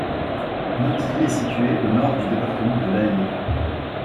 Montilly est située au nord du département de l'Allier.